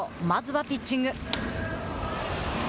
まずはピッチング。